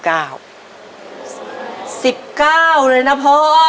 ๙เลยนะพ่อ